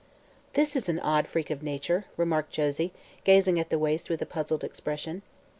"This is an odd freak of nature," remarked Josie, gazing at the waste with a puzzled expression.